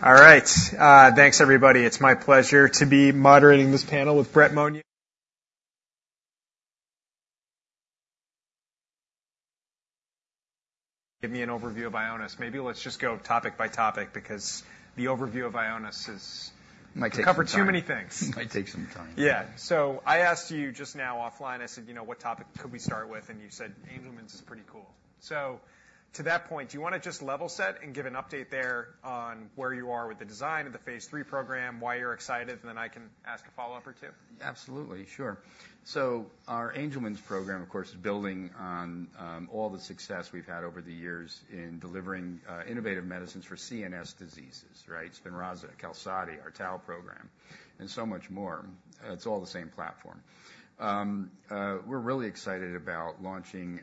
All right. Thanks, everybody. It's my pleasure to be moderating this panel with Brett Monia. Give me an overview of Ionis. Maybe let's just go topic by topic because the overview of Ionis is... Might take some time. Could cover too many things. Might take some time. Yeah, so I asked you just now offline. I said, you know, what topic could we start with? And you said Angelman's is pretty cool. To that point, do you wanna just level set and give an update there on where you are with the design of Phase III program, why you're excited, and then I can ask a follow-up or two? Absolutely. Sure. Our Angelman’s program, of course, is building on all the success we’ve had over the years in delivering innovative medicines for CNS diseases, right? Spinraza, Qalsody, our tau program, and so much more. It’s all the same platform. We’re really excited about launching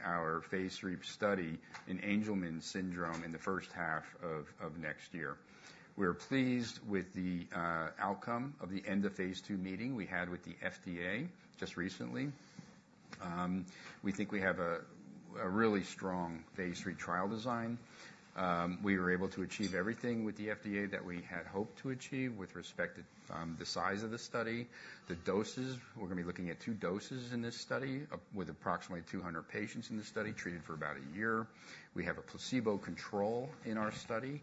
Phase III study in Angelman’s syndrome in the first half of next year. We’re pleased with the outcome of the end-of-Phase II meeting we had with the FDA just recently. We think we have a really Phase III trial design. We were able to achieve everything with the FDA that we had hoped to achieve with respect to the size of the study, the doses. We’re gonna be looking at two doses in this study, with approximately 200 patients in this study treated for about a year. We have a placebo control in our study,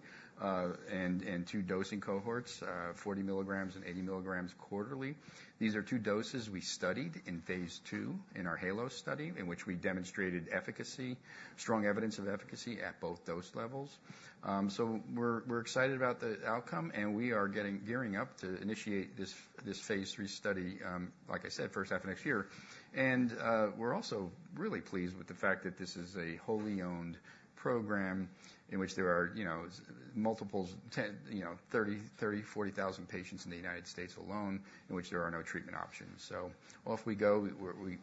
and two dosing cohorts, 40 mg and 80 mg quarterly. These are two doses we studied in Phase II in our HALOS study in which we demonstrated efficacy, strong evidence of efficacy at both dose levels. We're excited about the outcome, and we are gearing up to initiate Phase III study, like I said, first half of next year. We're also really pleased with the fact that this is a wholly owned program in which there are, you know, multiple, you know, 30,000, 40,000 patients in the United States alone in which there are no treatment options. Off we go,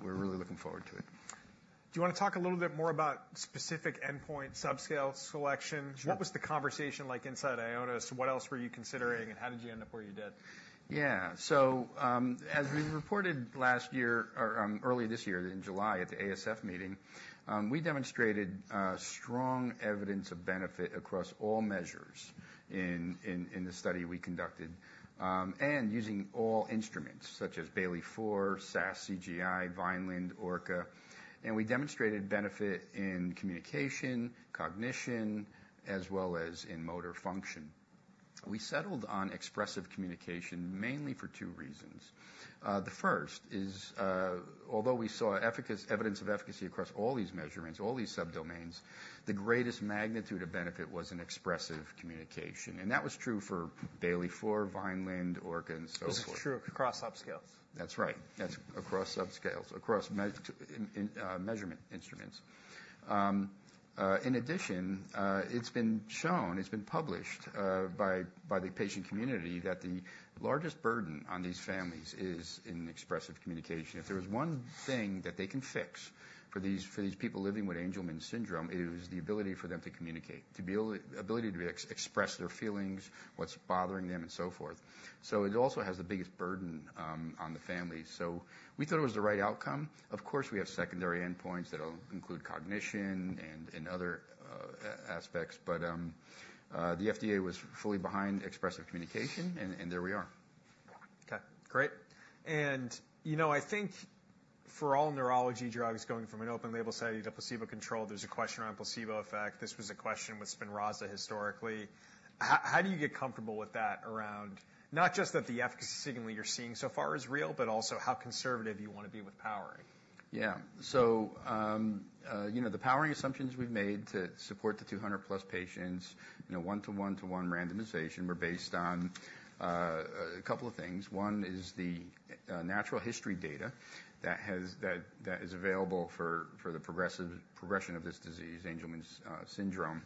we're really looking forward to it. Do you wanna talk a little bit more about specific endpoint subscale selection? Sure. What was the conversation like inside Ionis? What else were you considering, and how did you end up where you did? Yeah. As we reported last year or early this year, in July at the ASF meeting, we demonstrated strong evidence of benefit across all measures in the study we conducted, and using all instruments such as Bayley-4, CGI, Vineland, ORCA. We demonstrated benefit in communication, cognition, as well as in motor function. We settled on expressive communication mainly for two reasons. The first is, although we saw evidence of efficacy across all these measurements, all these subdomains, the greatest magnitude of benefit was in expressive communication. That was true for Bayley-4, Vineland, ORCA, and so forth. This is true across subscales. That's right. That's across subscales, across measures in measurement instruments. In addition, it's been shown, it's been published, by the patient community that the largest burden on these families is in expressive communication. If there was one thing that they can fix for these people living with Angelman syndrome, it was the ability for them to communicate, ability to express their feelings, what's bothering them, and so forth. So it also has the biggest burden on the families. So we thought it was the right outcome. Of course, we have secondary endpoints that'll include cognition and other aspects, but the FDA was fully behind expressive communication, and there we are. Okay. Great. And, you know, I think for all neurology drugs going from an open-label study to placebo control, there's a question around placebo effect. This was a question with Spinraza, historically. How do you get comfortable with that around not just that the efficacy signal you're seeing so far is real, but also how conservative you wanna be with powering? Yeah. So, you know, the powering assumptions we've made to support the 200+ patients, you know, one-to-one-to-one randomization, were based on a couple of things. One is the natural history data that is available for the progression of this disease, Angelman syndrome.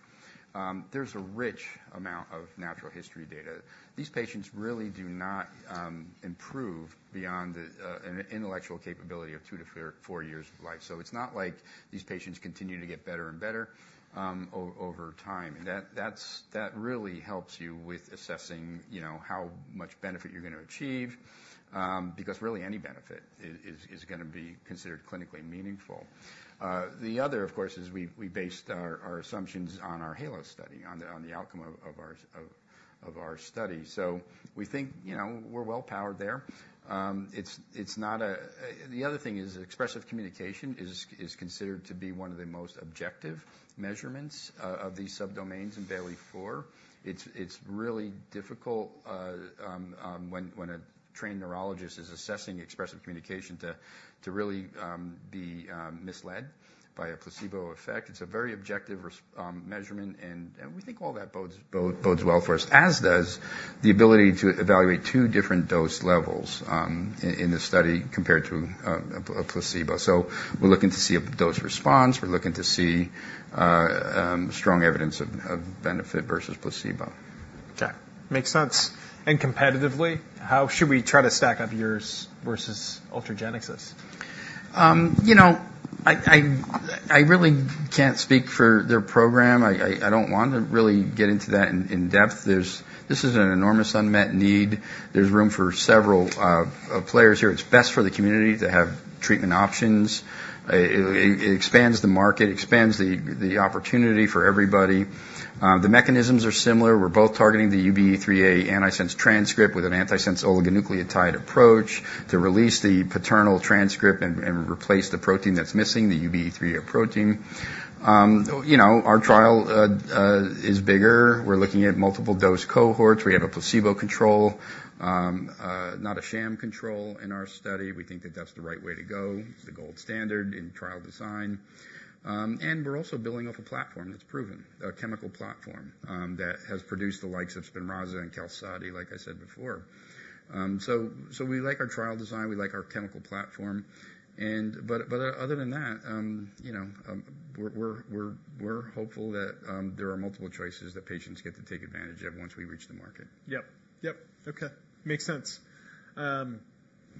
There's a rich amount of natural history data. These patients really do not improve beyond an intellectual capability of two to four years of life. So it's not like these patients continue to get better and better over time. And that really helps you with assessing, you know, how much benefit you're gonna achieve, because really any benefit is gonna be considered clinically meaningful. The other, of course, is we based our assumptions on our HALOS study, on the outcome of our study. So we think, you know, we're well-powered there. It's not a, the other thing is expressive communication is considered to be one of the most objective measurements of these subdomains in Bayley-4. It's really difficult when a trained neurologist is assessing expressive communication to really be misled by a placebo effect. It's a very objective result measurement, and we think all that bodes well for us, as does the ability to evaluate two different dose levels in the study compared to a placebo. So we're looking to see a dose response. We're looking to see strong evidence of benefit versus placebo. Okay. Makes sense. And competitively, how should we try to stack up yours versus Ultragenyx? You know, I really can't speak for their program. I don't wanna really get into that in depth. There is an enormous unmet need. There's room for several players here. It's best for the community to have treatment options. It expands the market, expands the opportunity for everybody. The mechanisms are similar. We're both targeting the UBE3A antisense transcript with an antisense oligonucleotide approach to release the paternal transcript and replace the protein that's missing, the UBE3A protein. You know, our trial is bigger. We're looking at multiple dose cohorts. We have a placebo control, not a sham control in our study. We think that that's the right way to go, the gold standard in trial design. And we're also building off a platform that's proven, a chemical platform, that has produced the likes of Spinraza and Qalsody, like I said before. So we like our trial design. We like our chemical platform. But other than that, you know, we're hopeful that there are multiple choices that patients get to take advantage of once we reach the market. Yep. Yep. Okay. Makes sense.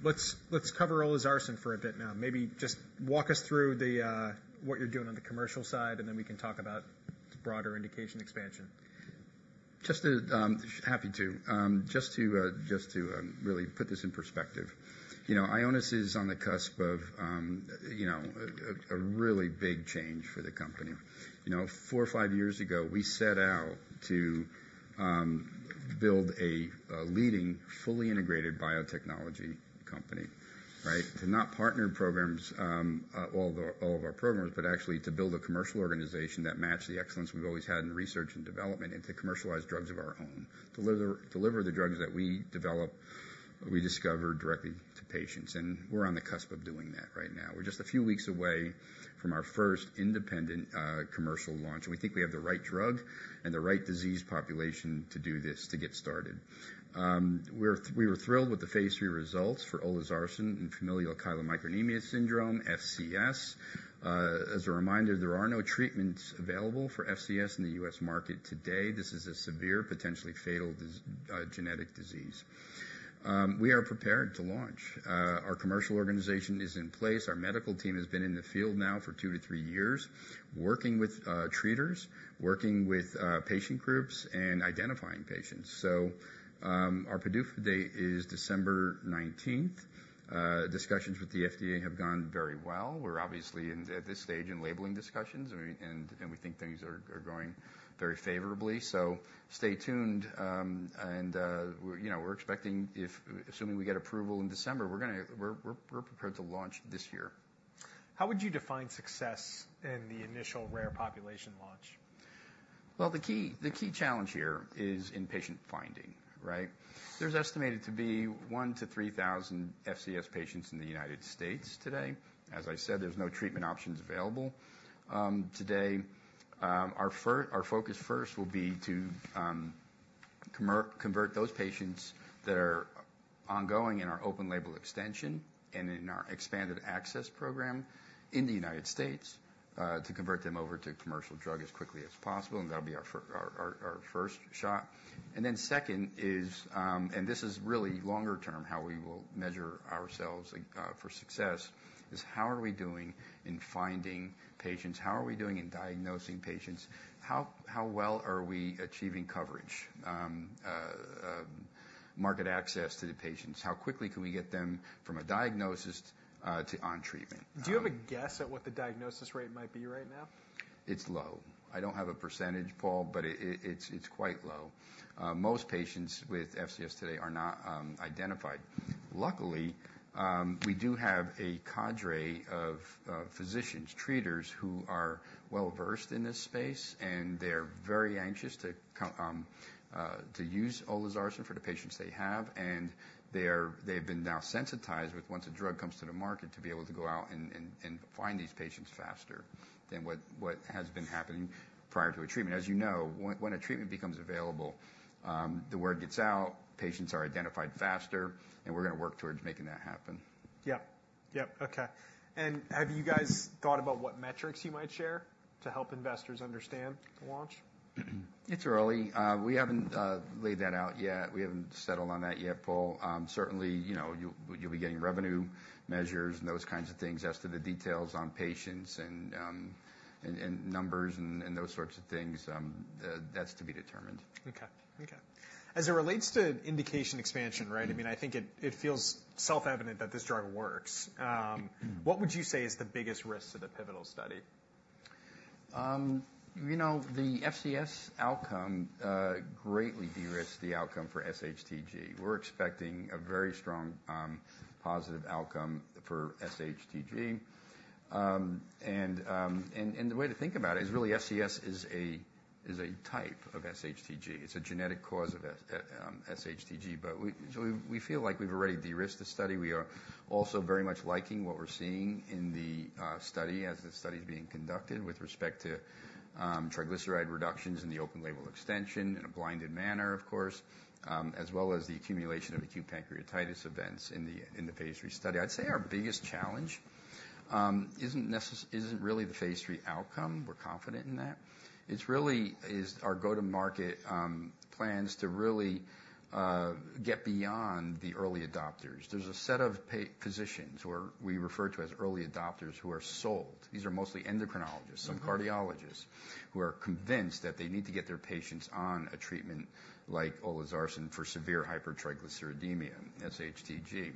Let's, let's cover olezarsen for a bit now. Maybe just walk us through the, what you're doing on the commercial side, and then we can talk about broader indication expansion. Just to really put this in perspective. You know, Ionis is on the cusp of, you know, a really big change for the company. You know, four or five years ago, we set out to build a leading fully integrated biotechnology company, right, to not partner all of our programs, but actually to build a commercial organization that matched the excellence we've always had in research and development and to commercialize drugs of our own, deliver the drugs that we develop, we discover directly to patients. And we're on the cusp of doing that right now. We're just a few weeks away from our first independent commercial launch. We think we have the right drug and the right disease population to do this to get started. We were thrilled with Phase III results for olezarsen and familial chylomicronemia syndrome, FCS. As a reminder, there are no treatments available for FCS in the U.S. market today. This is a severe, potentially fatal genetic disease. We are prepared to launch. Our commercial organization is in place. Our medical team has been in the field now for two to three years, working with treaters, working with patient groups, and identifying patients. So, our PDUFA day is December 19th. Discussions with the FDA have gone very well. We're obviously in at this stage in labeling discussions, and we think things are going very favorably. So stay tuned, and we're, you know, expecting, assuming we get approval in December, we're gonna be prepared to launch this year. How would you define success in the initial rare population launch? The key challenge here is in patient finding, right? There's estimated to be 1,000-3,000 FCS patients in the United States today. As I said, there's no treatment options available, today. Our focus first will be to convert those patients that are ongoing in our open-label extension and in our expanded access program in the United States, to convert them over to commercial drug as quickly as possible. And that'll be our first shot. And then second is, and this is really longer-term how we will measure ourselves for success, is how are we doing in finding patients? How are we doing in diagnosing patients? How well are we achieving coverage, market access to the patients? How quickly can we get them from a diagnosis, to on treatment? Do you have a guess at what the diagnosis rate might be right now? It's low. I don't have a percentage, Paul, but it's quite low. Most patients with FCS today are not identified. Luckily, we do have a cadre of physicians, treaters who are well-versed in this space, and they're very anxious to use olezarsen for the patients they have. And they have been now sensitized once a drug comes to the market to be able to go out and find these patients faster than what has been happening prior to a treatment. As you know, when a treatment becomes available, the word gets out, patients are identified faster, and we're gonna work towards making that happen. Yep. Yep. Okay, and have you guys thought about what metrics you might share to help investors understand the launch? It's early. We haven't laid that out yet. We haven't settled on that yet, Paul. Certainly, you know, you'll be getting revenue measures and those kinds of things as to the details on patients and numbers and those sorts of things. That's to be determined. As it relates to indication expansion, right? I mean, I think it feels self-evident that this drug works. What would you say is the biggest risk to the pivotal study? You know, the FCS outcome greatly de-risked the outcome for SHTG. We're expecting a very strong, positive outcome for SHTG. The way to think about it is really FCS is a type of SHTG. It's a genetic cause of SHTG, but we feel like we've already de-risked the study. We are also very much liking what we're seeing in the study as the study's being conducted with respect to triglyceride reductions in the open-label extension in a blinded manner, of course, as well as the accumulation of acute pancreatitis events in Phase III study. I'd say our biggest challenge isn't necessarily Phase III outcome. We're confident in that. It really is our go-to-market plans to really get beyond the early adopters. There's a set of physicians who we refer to as early adopters who are sold. These are mostly endocrinologists. Mm-hmm. Some cardiologists who are convinced that they need to get their patients on a treatment like olezarsen for severe hypertriglyceridemia, SHTG.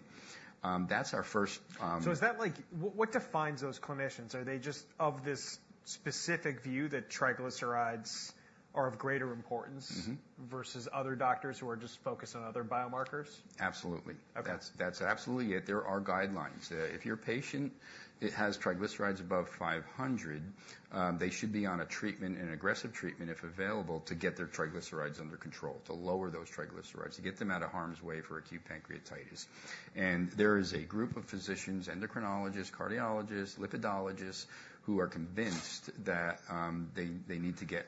That's our first, Is that like what defines those clinicians? Are they just of this specific view that triglycerides are of greater importance. Mm-hmm. Versus other doctors who are just focused on other biomarkers? Absolutely. Okay. That's absolutely it. There are guidelines. If your patient has triglycerides above 500, they should be on a treatment, an aggressive treatment, if available, to get their triglycerides under control, to lower those triglycerides, to get them out of harm's way for acute pancreatitis. And there is a group of physicians, endocrinologists, cardiologists, lipidologists, who are convinced that they need to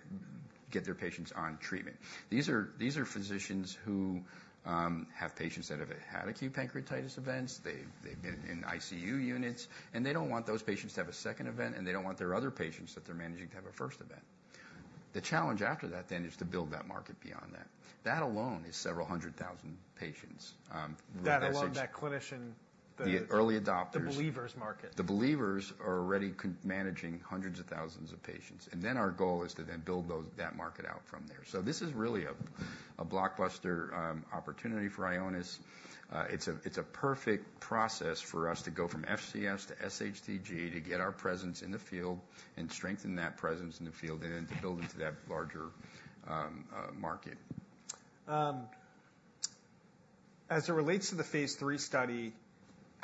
get their patients on treatment. These are physicians who have patients that have had acute pancreatitis events. They've been in ICU units, and they don't want those patients to have a second event, and they don't want their other patients that they're managing to have a first event. The challenge after that then is to build that market beyond that. That alone is several hundred thousand patients, replaced. That alone, that clinician, the. The early adopters. The believers market. The believers are already co-managing hundreds of thousands of patients. Then our goal is to then build that market out from there. This is really a blockbuster opportunity for Ionis. It's a perfect process for us to go from FCS to SHTG, to get our presence in the field and strengthen that presence in the field, and then to build into that larger market. As it relates to Phase III study,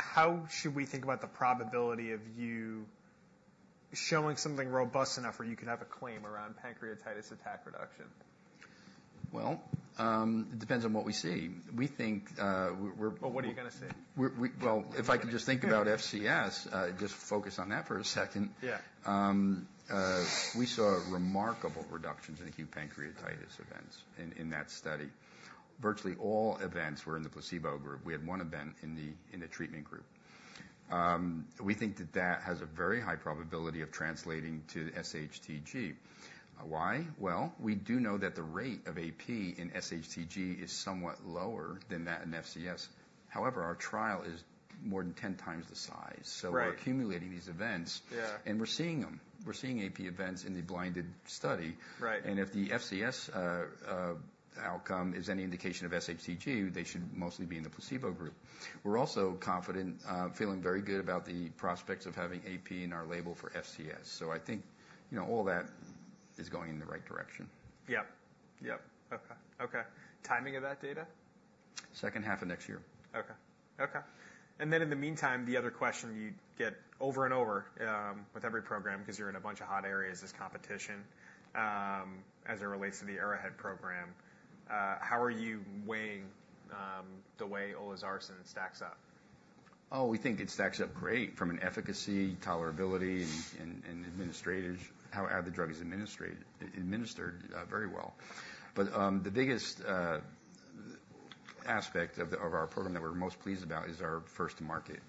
how should we think about the probability of you showing something robust enough where you could have a claim around pancreatitis attack reduction? It depends on what we see. We think we're. But what are you gonna see? If I could just think about FCS, just focus on that for a second. Yeah. We saw remarkable reductions in acute pancreatitis events in, in that study. Virtually all events were in the placebo group. We had one event in the treatment group. We think that has a very high probability of translating to SHTG. Why? Well, we do know that the rate of AP in SHTG is somewhat lower than that in FCS. However, our trial is more than 10 times the size. Right. So we're accumulating these events. Yeah. We're seeing them. We're seeing AP events in the blinded study. Right. If the FCS outcome is any indication of SHTG, they should mostly be in the placebo group. We're also confident, feeling very good about the prospects of having AP in our label for FCS. I think, you know, all that is going in the right direction. Yep. Yep. Okay. Okay. Timing of that data? Second half of next year. Okay. Okay. And then in the meantime, the other question you get over and over, with every program, 'cause you're in a bunch of hot areas, is competition, as it relates to the Arrowhead program. How are you weighing the way olezarsen stacks up? Oh, we think it stacks up great from an efficacy, tolerability, and administration, how the drug is administered, very well. But the biggest aspect of our program that we're most pleased about is our first-to-market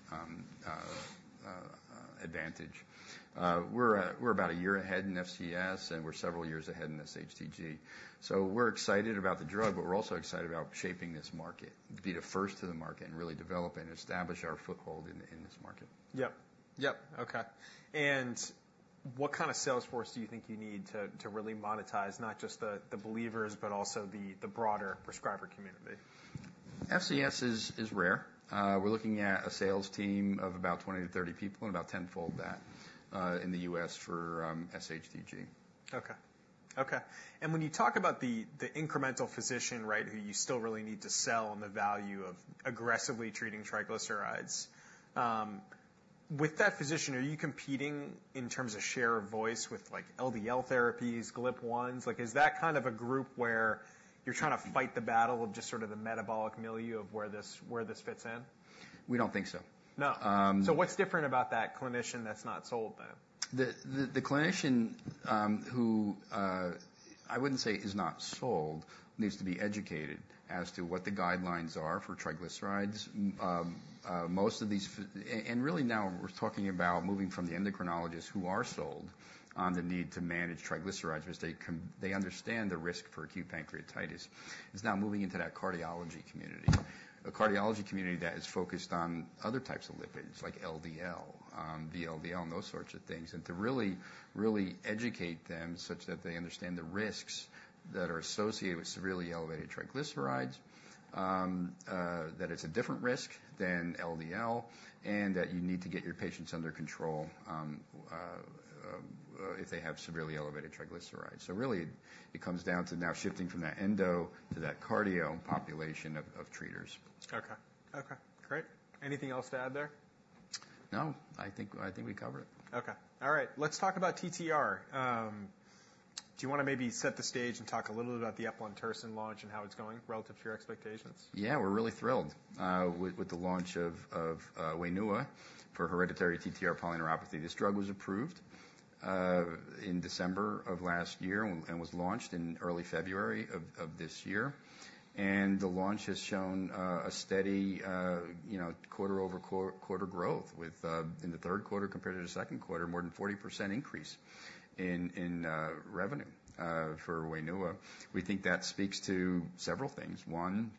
advantage. We're about a year ahead in FCS, and we're several years ahead in SHTG. So we're excited about the drug, but we're also excited about shaping this market, be the first to the market, and really develop and establish our foothold in this market. Yep. Yep. Okay. And what kind of salesforce do you think you need to really monetize, not just the believers, but also the broader prescriber community? FCS is rare. We're looking at a sales team of about 20-30 people and about 10-fold that in the U.S. for SHTG. Okay. Okay. And when you talk about the, the incremental physician, right, who you still really need to sell on the value of aggressively treating triglycerides, with that physician, are you competing in terms of share of voice with, like, LDL therapies, GLP-1s? Like, is that kind of a group where you're trying to fight the battle of just sort of the metabolic milieu of where this fits in? We don't think so. No. So what's different about that clinician that's not sold then? The clinician who I wouldn't say is not sold needs to be educated as to what the guidelines are for triglycerides. Most of these FCS and really now we're talking about moving from the endocrinologists who are sold on the need to manage triglycerides, which they understand the risk for acute pancreatitis. It's now moving into that cardiology community, a cardiology community that is focused on other types of lipids like LDL, VLDL, and those sorts of things, and to really, really educate them such that they understand the risks that are associated with severely elevated triglycerides, that it's a different risk than LDL, and that you need to get your patients under control if they have severely elevated triglycerides. So really, it comes down to now shifting from that endo to that cardio population of treaters. Okay. Okay. Great. Anything else to add there? No. I think we covered it. Okay. All right. Let's talk about TTR. Do you wanna maybe set the stage and talk a little bit about the eplontersen launch and how it's going relative to your expectations? Yeah. We're really thrilled with the launch of Wainua for hereditary TTR polyneuropathy. This drug was approved in December of last year and was launched in early February of this year. The launch has shown a steady, you know, quarter-over-quarter growth with in the third quarter compared to the second quarter, more than 40% increase in revenue for Wainua. We think that speaks to several things. One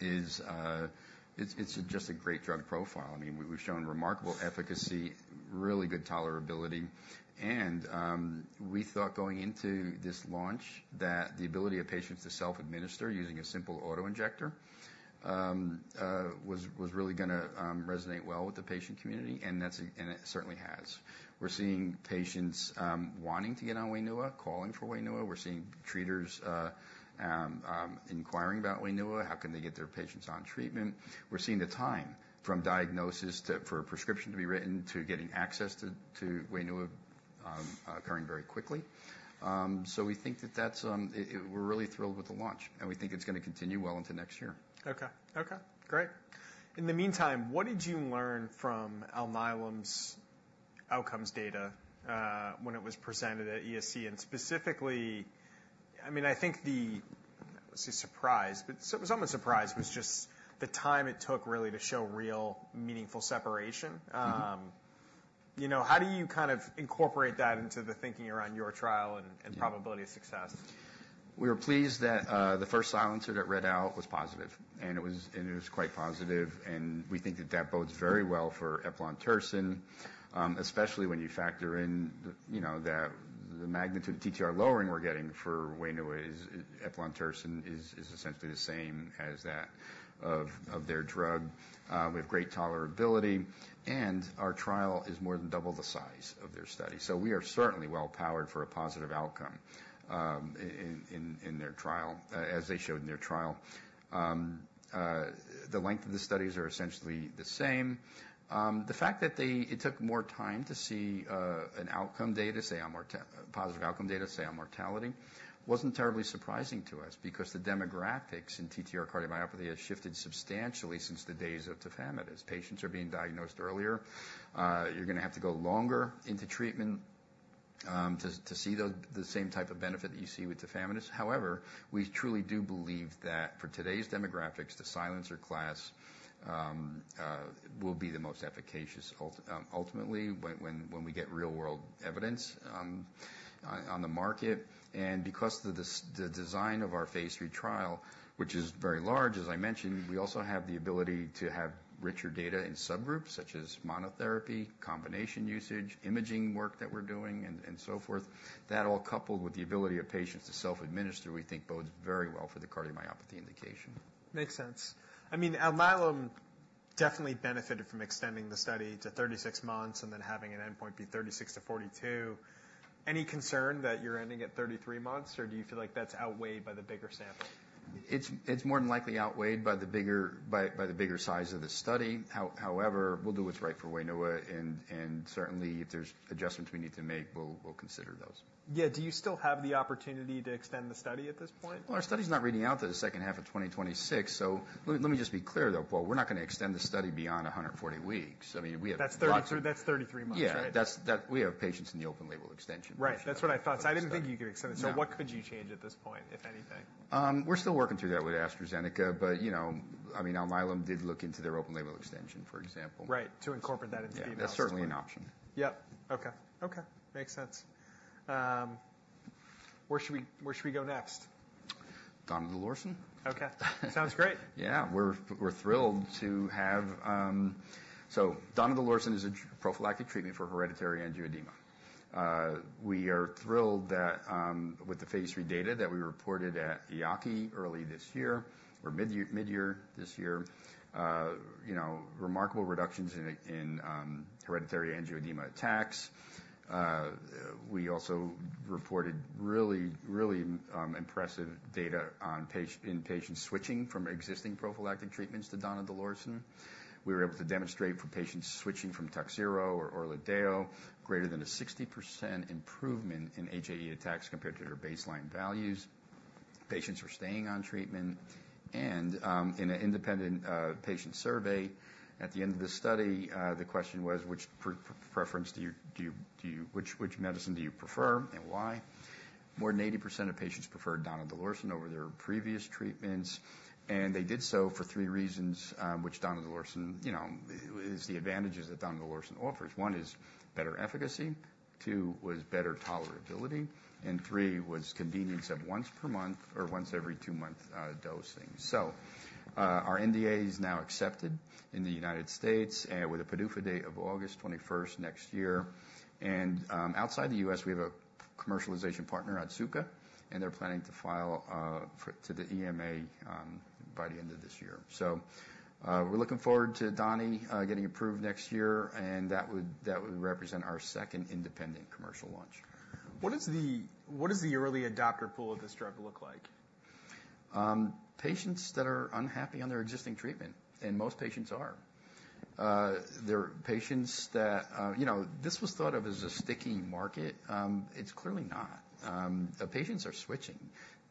is, it's just a great drug profile. I mean, we've shown remarkable efficacy, really good tolerability. We thought going into this launch that the ability of patients to self-administer using a simple autoinjector was really gonna resonate well with the patient community, and it certainly has. We're seeing patients wanting to get on Wainua, calling for Wainua. We're seeing treaters inquiring about Wainua, how can they get their patients on treatment. We're seeing the time from diagnosis to for a prescription to be written to getting access to Wainua occurring very quickly. So we think that that's it, we're really thrilled with the launch, and we think it's gonna continue well into next year. Okay. Okay. Great. In the meantime, what did you learn from Alnylam's outcomes data, when it was presented at ESC? And specifically, I mean, I think the, let's say, surprise, but so it was almost surprise, was just the time it took really to show real meaningful separation. You know, how do you kind of incorporate that into the thinking around your trial and, and probability of success? We were pleased that the first silencer that read out was positive, and it was quite positive. And we think that that bodes very well for eplontersen, especially when you factor in the, you know, that the magnitude of TTR lowering we're getting for Wainua is essentially the same as that of their drug. We have great tolerability, and our trial is more than double the size of their study. So we are certainly well-powered for a positive outcome in their trial, as they showed in their trial. The length of the studies are essentially the same. The fact that it took more time to see an outcome data, say, a more positive outcome data, say, a mortality, wasn't terribly surprising to us because the demographics in TTR cardiomyopathy has shifted substantially since the days of tafamidis. Patients are being diagnosed earlier. You're gonna have to go longer into treatment to see the same type of benefit that you see with tafamidis. However, we truly do believe that for today's demographics, the silencer class will be the most efficacious ultimately when we get real-world evidence on the market. Because of the design of Phase III trial, which is very large, as I mentioned, we also have the ability to have richer data in subgroups such as monotherapy, combination usage, imaging work that we're doing, and so forth. That all coupled with the ability of patients to self-administer, we think bodes very well for the cardiomyopathy indication. Makes sense. I mean, Alnylam definitely benefited from extending the study to 36 months and then having an endpoint be 36-42. Any concern that you're ending at 33 months, or do you feel like that's outweighed by the bigger sample? It's more than likely outweighed by the bigger size of the study. However, we'll do what's right for Wainua, and certainly, if there's adjustments we need to make, we'll consider those. Yeah. Do you still have the opportunity to extend the study at this point? Our study's not reading out to the second half of 2026. So let me just be clear, though. We're not gonna extend the study beyond 140 weeks. I mean, we have lots of. That's 33 months, right? Yeah. That's that we have patients in the open-label extension. Right. That's what I thought. So I didn't think you could extend it. Right. So what could you change at this point, if anything? We're still working through that with AstraZeneca, but, you know, I mean, Alnylam did look into their open label extension, for example. Right. To incorporate that into the eval. Yeah. That's certainly an option. Yep. Okay. Makes sense. Where should we go next? Donidalorsen. Okay. Sounds great. Yeah. We're thrilled to have, so donidalorsen is a prophylactic treatment for hereditary angioedema. We are thrilled that, with Phase III data that we reported at EAACI early this year or mid-year this year, you know, remarkable reductions in hereditary angioedema attacks. We also reported really impressive data on patients switching from existing prophylactic treatments to donidalorsen. We were able to demonstrate for patients switching from Takhzyro or Orladeyo, greater than a 60% improvement in HAE attacks compared to their baseline values. Patients were staying on treatment. In an independent patient survey at the end of the study, the question was, "Which preference do you which medicine do you prefer and why?" More than 80% of patients preferred donidalorsen over their previous treatments. They did so for three reasons, which donidalorsen, you know, is the advantages that donidalorsen offers. One is better efficacy. Two was better tolerability. Three was convenience of once per month or once every two-month dosing. Our NDA is now accepted in the United States, with a PDUFA date of August 21st next year. Outside the U.S., we have a commercialization partner, Otsuka, and they're planning to file to the EMA by the end of this year. We're looking forward to donidalorsen getting approved next year, and that would represent our second independent commercial launch. What does the early adopter pool of this drug look like? Patients that are unhappy on their existing treatment, and most patients are. There are patients that, you know, this was thought of as a sticky market. It's clearly not. Patients are switching.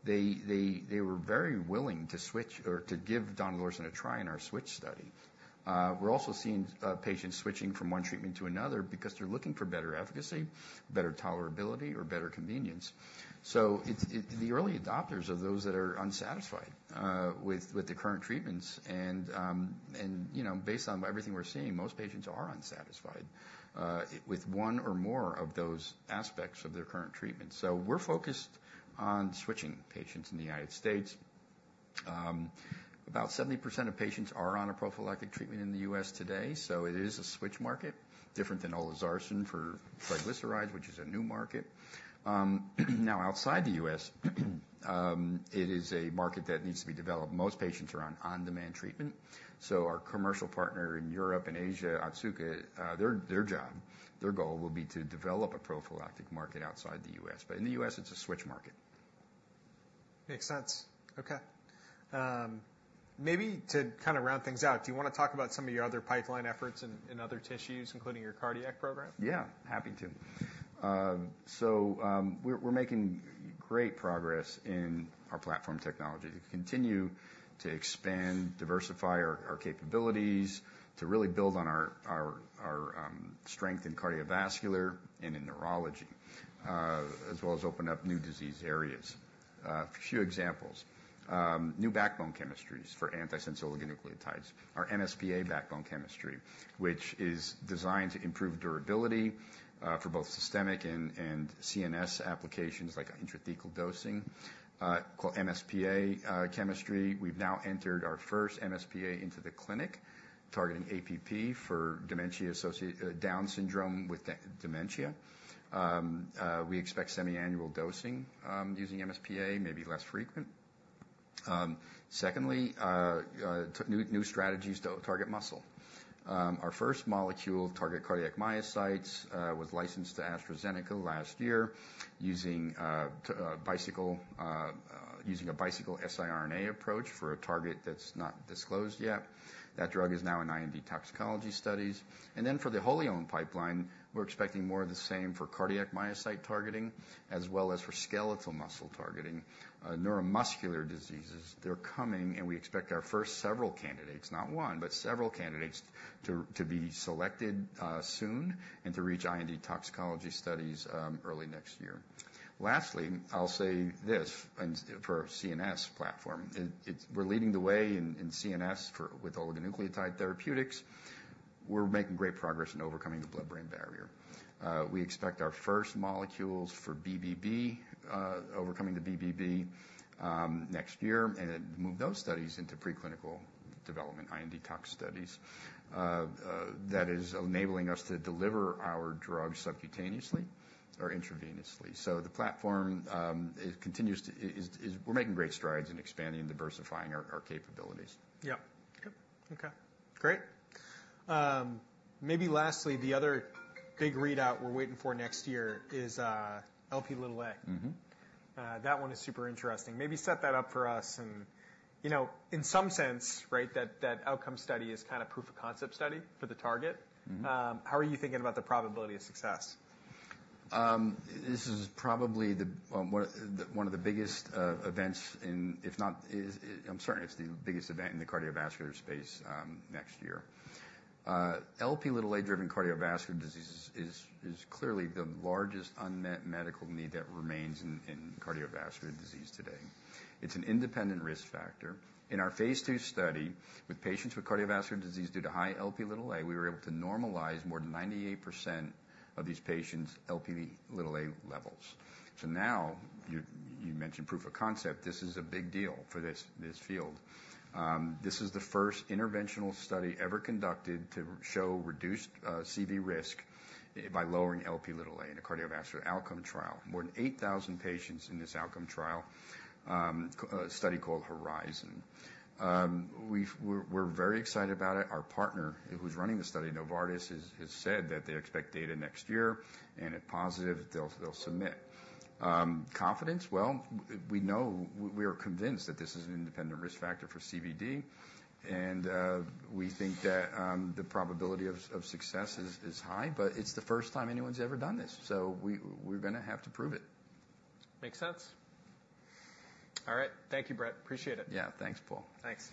They were very willing to switch or to give donidalorsen a try in our switch study. We're also seeing patients switching from one treatment to another because they're looking for better efficacy, better tolerability, or better convenience. So it's the early adopters are those that are unsatisfied with the current treatments. And you know, based on everything we're seeing, most patients are unsatisfied with one or more of those aspects of their current treatment. We're focused on switching patients in the United States. About 70% of patients are on a prophylactic treatment in the US today. So it is a switch market, different than olezarsen for triglycerides, which is a new market. Now outside the US, it is a market that needs to be developed. Most patients are on on-demand treatment. So our commercial partner in Europe and Asia, Otsuka, their job, their goal will be to develop a prophylactic market outside the US. But in the US, it's a switch market. Makes sense. Okay. Maybe to kind of round things out, do you wanna talk about some of your other pipeline efforts in, in other tissues, including your cardiac program? Yeah. Happy to. So, we're making great progress in our platform technology to continue to expand, diversify our strength in cardiovascular and in neurology, as well as open up new disease areas. A few examples, new backbone chemistries for antisense oligonucleotides, our MsPA backbone chemistry, which is designed to improve durability, for both systemic and CNS applications like intrathecal dosing, called MsPA chemistry. We've now entered our first MsPA into the clinic, targeting APP for dementia associated with Down syndrome. We expect semiannual dosing, using MsPA, maybe less frequent. Secondly, two new strategies to target muscle. Our first molecule targeting cardiac myocytes was licensed to AstraZeneca last year using a Bicycle siRNA approach for a target that's not disclosed yet. That drug is now in IND toxicology studies. And then for the wholly owned pipeline, we're expecting more of the same for cardiac myocyte targeting as well as for skeletal muscle targeting. Neuromuscular diseases, they're coming, and we expect our first several candidates, not one, but several candidates to be selected soon and to reach IND toxicology studies early next year. Lastly, I'll say this in store for our CNS platform. We're leading the way in CNS with oligonucleotide therapeutics. We're making great progress in overcoming the blood-brain barrier. We expect our first molecules for BBB overcoming the BBB next year, and then move those studies into preclinical development, IND tox studies. That is enabling us to deliver our drug subcutaneously or intravenously. So the platform continues to, we're making great strides in expanding, diversifying our capabilities. Yep. Okay. Great. Maybe lastly, the other big readout we're waiting for next year is Lp(a). That one is super interesting. Maybe set that up for us and, you know, in some sense, right, that, that outcome study is kind of proof of concept study for the target. Mm-hmm. How are you thinking about the probability of success? This is probably one of the biggest events in, if not, I'm certain it's the biggest event in the cardiovascular space next year. Lp(a)-driven cardiovascular disease is clearly the largest unmet medical need that remains in cardiovascular disease today. It's an independent risk factor. In our Phase II study with patients with cardiovascular disease due to high Lp(a), we were able to normalize more than 98% of these patients' Lp(a) levels. So now you mentioned proof of concept. This is a big deal for this field. This is the first interventional study ever conducted to show reduced CV risk by lowering Lp(a) in a cardiovascular outcome trial. More than 8,000 patients in this outcome trial, a study called HORIZON. We're very excited about it. Our partner, who's running the study, Novartis, has said that they expect data next year, and if positive, they'll submit. Confidence? Well, we know we are convinced that this is an independent risk factor for CVD, and we think that the probability of success is high, but it's the first time anyone's ever done this. So we're gonna have to prove it. Makes sense. All right. Thank you, Brett. Appreciate it. Yeah. Thanks, Paul. Thanks.